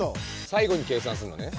最後に計算すんのね。